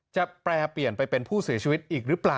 แปรเปลี่ยนไปเป็นผู้เสียชีวิตอีกหรือเปล่า